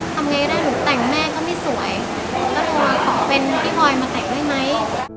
ทำไงก็ได้หนูแต่งแม่ก็ไม่สวยแล้วหนูขอเป็นพี่พลอยมาแต่งด้วยไหม